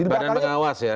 badan pengawas ya